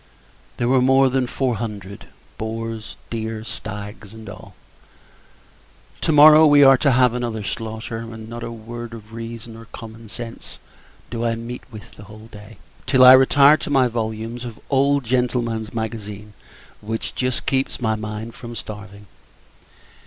There were more than four hundred; boars, deer, stags, and all. To morrow, we are to have another slaughter; and not a word of reason or common sense do I meet with, the whole day, till I retire to my volumes of the old Gentleman's Magazine, which just keeps my mind from starving.